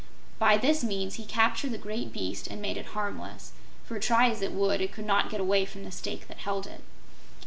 By this means he captured the great beast and made it harmless, for try as it would, it could not get away from the stake that held it.